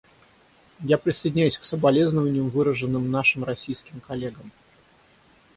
Я присоединяюсь к соболезнованиям, выраженным нашим российским коллегам.